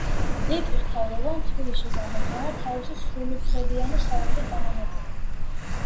ლიტვის მთავრობამ თბილისში გამოგზავნა თავისი სრულუფლებიანი სავაჭრო წარმომადგენელი.